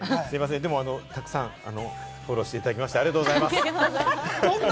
でもたくさんフォローしていただきまして、ありがとうございます。